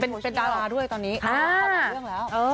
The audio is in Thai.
เป็นดาราด้วยตอนนี้เขาบอกเรื่องแล้ว